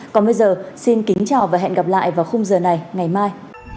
còn bây giờ xin kính chào và hẹn gặp lại vào khung giờ này ngày mai